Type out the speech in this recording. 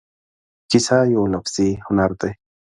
کیسه یو لفظي هنر دی.